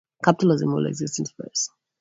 Capitalism will exist in space.